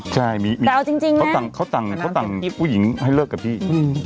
ใช่มีมีแต่เอาจริงนะเขาสั่งผู้หญิงให้เลิกกับพี่